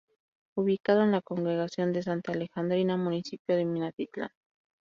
Ubicado en la congregación de "Santa Alejandrina", municipio de Minatitlán.